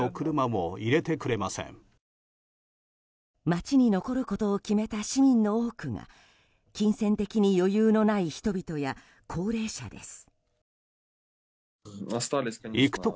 街に残ることを決めた市民の多くが金銭的に余裕のない人々や高齢者です。